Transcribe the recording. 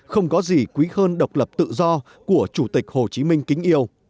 không có gì quý hơn độc lập tự do của chủ tịch hồ chí minh kính yêu